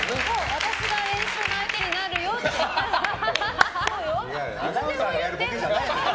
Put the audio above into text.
私が練習の相手になるよって言ったら。